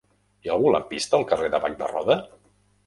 Hi ha algun lampista al carrer de Bac de Roda?